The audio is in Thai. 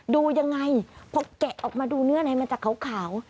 ดูยังไงพอแกะออกมาดูเนื้อในมันจะขาว